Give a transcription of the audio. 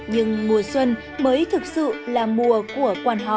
nhưng mùa xuân mới thực sự là mùa của quan họ